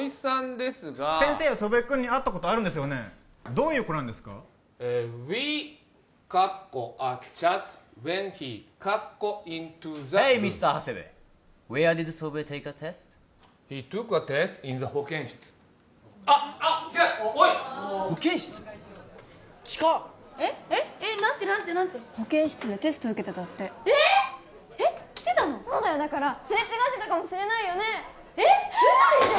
そうだよだからすれ違ってたかもしれないよねえっウソでしょ！？